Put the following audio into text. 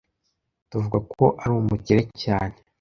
Tuvuga ko ari umukire cyane.